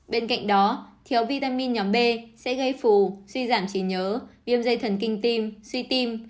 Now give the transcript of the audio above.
bên cạnh đó thiếu vitamin nhóm b sẽ gây phù suy giảm trí nhớ viêm dây thần kinh tim suy tim